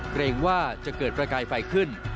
เกรงว่าจะเกิดประกายไฟขึ้น